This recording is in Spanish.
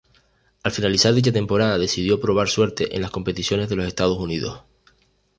Al finalizar dicha temporada decidió probar suerte en las competiciones de los Estados Unidos.